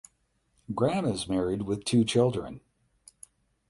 Graham is married with two children.